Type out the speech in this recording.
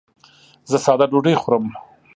زه ساده ډوډۍ خورم.